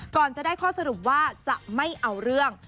ก่อนจะได้ข้อสรุปว่าจะไม่เอาเรื่อง